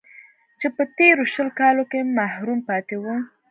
چې په تېرو شل کالو کې محروم پاتې و